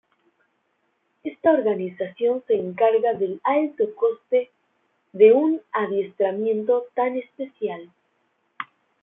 Esta organización se encarga del alto coste de un adiestramiento tan especial.